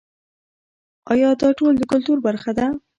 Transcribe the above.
آیا دا ټول د کلتور برخه ده؟